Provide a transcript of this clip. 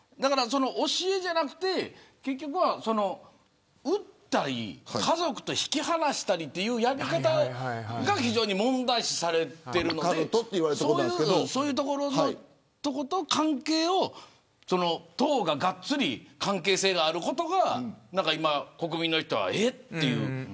教えじゃなくて結局は売ったり家族と引き離したりというやり方が非常に問題視されているのでそういうところと関係を党ががっつり関係性があることが今、国民の人は、えっという。